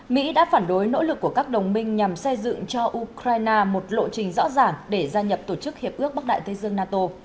mỹ đã phản đối nỗ lực của các đồng minh nhằm xây dựng cho ukraine một lộ trình rõ ràng để gia nhập tổ chức hiệp ước bắc đại tây dương nato